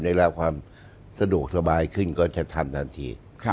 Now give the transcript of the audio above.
ได้รับความสะดวกสบายขึ้นก็จะทำทันที